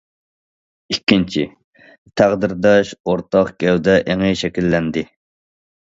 ئىككىنچى، تەقدىرداش ئورتاق گەۋدە ئېڭى شەكىللەندى.